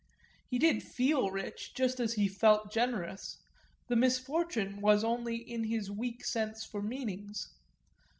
He did feel rich, just as he felt generous; the misfortune was only in his weak sense for meanings.